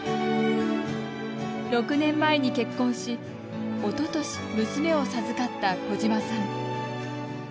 ６年前に結婚し、おととし娘を授かった小島さん。